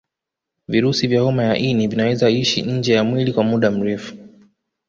Virusi vya homa ya ini vinaweza ishi nje ya mwili kwa muda mrefu